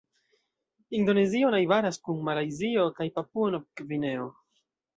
Indonezio najbaras kun Malajzio kaj Papuo-Nov-Gvineo.